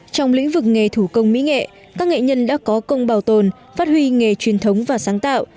trong lĩnh vực nghề thủ công mỹ nghệ các nghệ nhân đã có công bảo tồn phát huy nghề truyền thống và sáng tạo